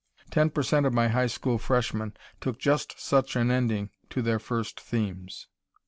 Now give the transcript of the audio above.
Ten per cent of my high school freshmen took just such an ending to their first themes.